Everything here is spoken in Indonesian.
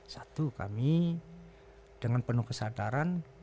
satu kami dengan penuh kesadaran